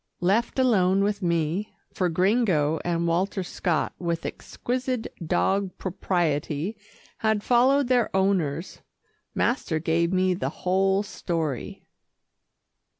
Left alone with me, for Gringo and Walter Scott with exquisite dog propriety had followed their owners, master gave me the whole story.